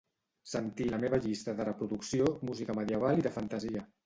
Sentir la meva llista de reproducció "Música Medieval i de Fantasia".